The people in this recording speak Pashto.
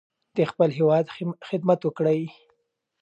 د خپل هیواد خدمت وکړئ.